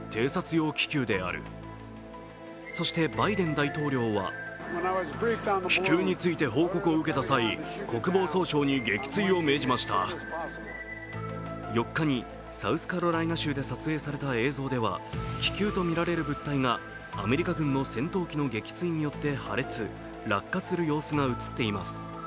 そして、バイデン大統領は４日にサウスカロライナ州で撮影された映像では気球とみられる物体がアメリカ軍の戦闘機の撃墜によって破裂、落下する様子が映っています。